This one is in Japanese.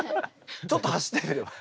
ちょっと走ってみれば？